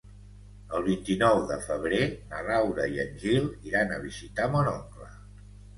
El vint-i-nou de febrer na Laura i en Gil iran a visitar mon oncle.